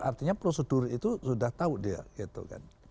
artinya prosedur itu sudah tahu dia gitu kan